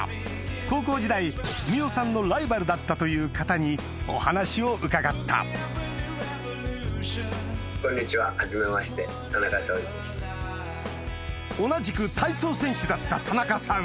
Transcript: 高校時代富美雄さんのライバルだったという方にお話を伺った同じく体操選手だった田中さん